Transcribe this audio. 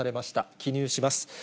記入します。